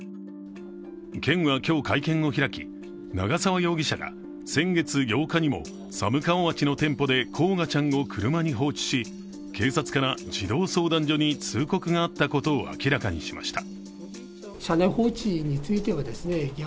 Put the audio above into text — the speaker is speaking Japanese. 県は今日会見を開き長沢容疑者が先月８日にも、寒川町の店舗で煌翔ちゃんを車に放置し警察から児童相談所に通告があったことを明らかにしました。